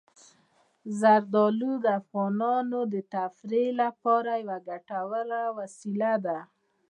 زردالو د افغانانو د تفریح لپاره یوه ګټوره وسیله ده.